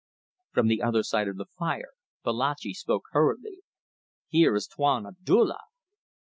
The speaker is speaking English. From the other side of the fire Babalatchi spoke hurriedly "Here is Tuan Abdulla."